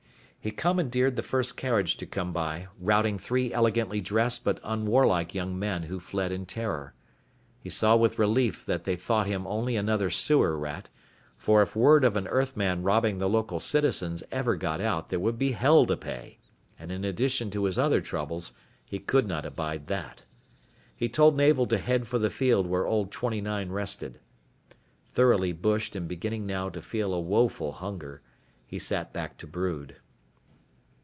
He commandeered the first carriage to come by, routing three elegantly dressed but unwarlike young men who fled in terror. He saw with relief that they thought him only another sewer rat, for if word of an Earthman robbing the local citizens ever got out there would be hell to pay, and in addition to his other troubles he could not abide that. He told Navel to head for the field where old 29 rested. Thoroughly bushed and beginning now to feel a woeful hunger, he sat back to brood.